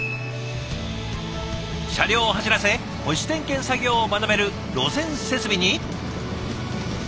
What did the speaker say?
車両を走らせ保守点検作業を学べる路線設備に。